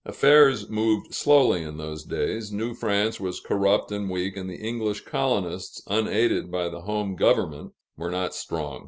Affairs moved slowly in those days. New France was corrupt and weak, and the English colonists, unaided by the home government, were not strong.